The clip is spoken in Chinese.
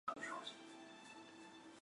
之后任京都造形艺术大学校长。